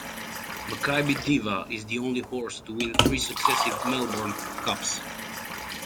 Makybe Diva is the only horse to win three successive Melbourne Cups.